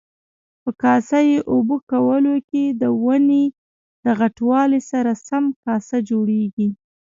په کاسه یي اوبه کولو کې د ونې د غټوالي سره سم کاسه جوړیږي.